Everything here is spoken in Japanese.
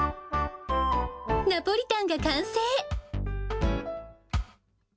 ナポリタンが完成。